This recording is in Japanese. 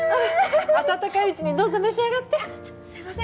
温かいうちにどうぞ召し上がってじゃすいません